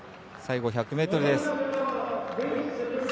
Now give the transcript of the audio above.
最後１００ｍです。